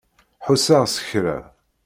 Ḥusseɣ s kra.